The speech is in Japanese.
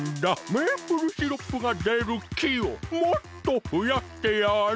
メープルシロップがでる木をもっとふやしてやる！